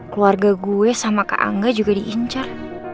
keluarga gue sama kak angga juga diincar